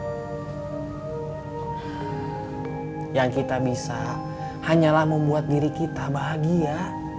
yang kita bisa hanyalah membuat diri kita bahagia